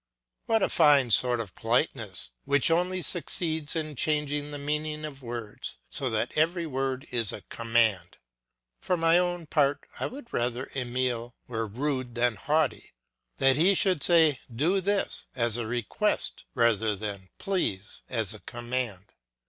What a fine sort of politeness which only succeeds in changing the meaning of words so that every word is a command! For my own part, I would rather Emile were rude than haughty, that he should say "Do this" as a request, rather than "Please" as a command.